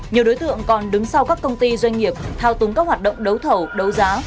nhiều đối tượng còn đứng sau các công ty doanh nghiệp thao túng các hoạt động đấu thầu đấu giá